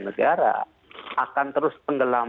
negara akan terus penggelam